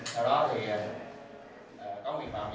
sau đó thì có nguyên báo về